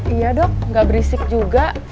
iya dok nggak berisik juga